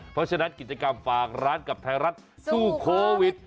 เพราะฉะนั้นกิจกรรมฝากร้านกับไทยรัฐสู้โควิด